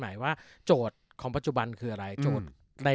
ไม่ว่าโจทย์ของปัจจุบันคืออะไรใน